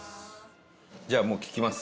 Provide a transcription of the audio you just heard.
じゃあもう聞きます。